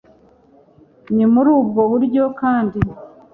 Ni muri ubwo buryo kandi